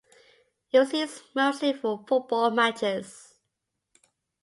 It was used mostly for football matches.